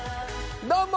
どうも！